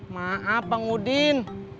maaf bang udin